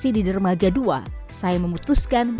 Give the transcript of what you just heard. saya mau berbicara soal ketengahnya